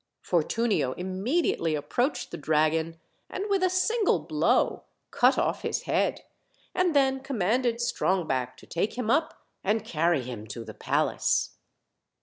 Fortunio immediately approached the dragon, and with a single blow cut off his head, and then commanded Strongback to take him up and carry him to the palace.